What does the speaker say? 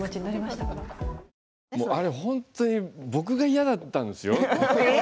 本当に僕が嫌だったんですよ？